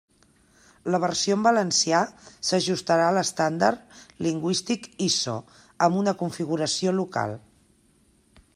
La versió en valencià s'ajustarà a l'estàndard lingüístic ISO amb una configuració local.